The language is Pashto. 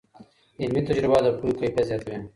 علمي تجربه د پوهې کیفیت زیاتوي.